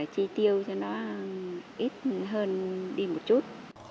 chỉ tiêu cho nó ít hơn đi một chút